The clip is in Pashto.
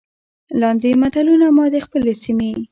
لاندې متلونه ما د خپلې سيمې